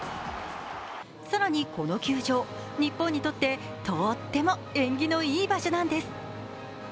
更に、この球場、日本にとって、とっても縁起のいい場所なんです。